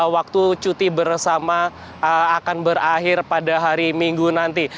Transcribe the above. waktu cuti bersama akan berakhir pada hari minggu nanti